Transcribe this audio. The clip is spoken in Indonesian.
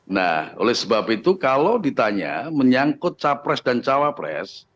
nah oleh sebab itu kalau ditanya menyangkut capres dan cawapres